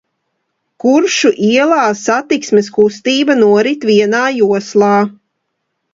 Kuršu ielā satiksmes kustība norit vienā joslā.